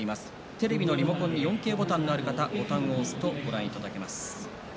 テレビのリモコンに４Ｋボタンがある方ボタンを押すとご覧いただけます。